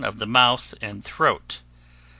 of the mouth and throat 3.